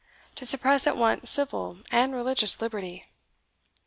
to suppress at once civil and religious liberty.